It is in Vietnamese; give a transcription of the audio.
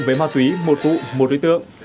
với ma túy một vụ một đối tượng